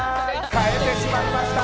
変えてしまいました。